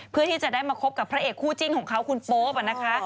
เพื่อที่จะได้มาคบกับพระเอกคู่จิ้นของเขาคุณโป๊ปนะคะ